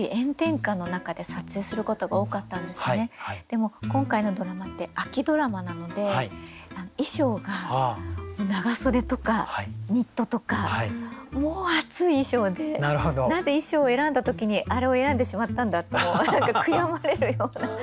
でも今回のドラマって秋ドラマなので衣装が長袖とかニットとかもう暑い衣装でなぜ衣装を選んだ時にあれを選んでしまったんだってもう何か悔やまれるような。